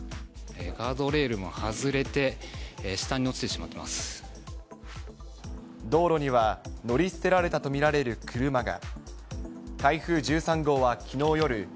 ガードレールが外れて、道路には、乗り捨てられたと見られる車が。